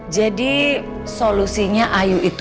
jadi solusinya ayu itu